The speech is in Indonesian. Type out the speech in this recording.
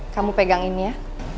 kamu pegang ini ya